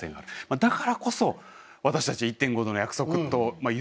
だからこそ私たち「１．５℃の約束」と言ってね